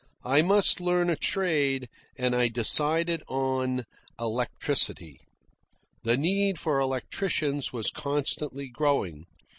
I must learn a trade, and I decided on electricity. The need for electricians was constantly growing.